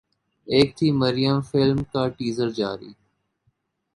ایک تھی مریم فلم کا ٹیزر جاری